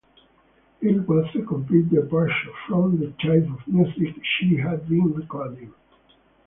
It was a complete departure from the type of music she had been recording.